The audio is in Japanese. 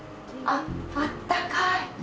あっあったかい。